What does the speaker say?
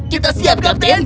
kita siap kapten